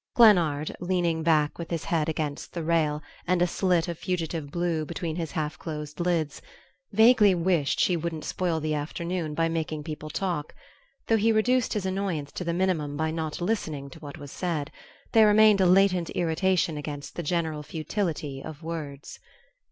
Glennard, leaning back with his head against the rail and a slit of fugitive blue between his half closed lids, vaguely wished she wouldn't spoil the afternoon by making people talk; though he reduced his annoyance to the minimum by not listening to what was said, there remained a latent irritation against the general futility of words.